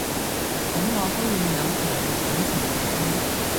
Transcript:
噉我都會有強烈感情嘅